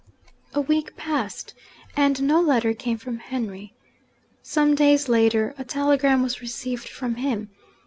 A week passed, and no letter came from Henry. Some days later, a telegram was received from him.